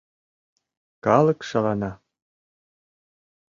Калык шалана.